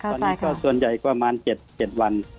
ตอนนี้ก็ส่วนใหญ่กว่า๗วัน